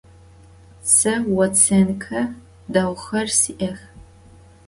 Se votsênke değuxer si'ex.